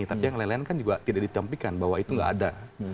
tapi yang lain lain kan juga tidak ditempikan bahwa itu nggak ada